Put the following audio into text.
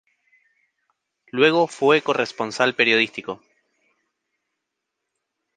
Luego fue corresponsal periodístico.